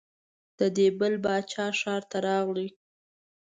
د دې بل باچا ښار ته راغلې.